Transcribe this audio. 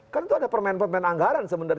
kan itu ada permain permen anggaran sebenarnya